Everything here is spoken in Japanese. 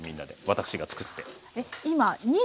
私が作って。